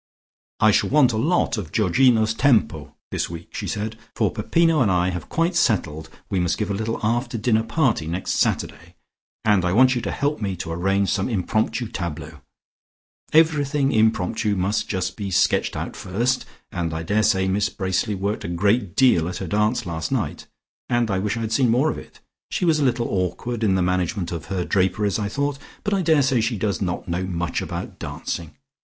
"I shall want a lot of Georgino's tempo this week," she said, "for Peppino and I have quite settled we must give a little after dinner party next Saturday, and I want you to help me to arrange some impromptu tableaux. Everything impromptu must just be sketched out first, and I daresay Miss Bracely worked a great deal at her dance last night and I wish I had seen more of it. She was a little awkward in the management of her draperies I thought, but I daresay she does not know much about dancing.